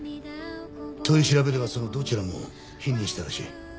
取り調べではそのどちらも否認したらしい。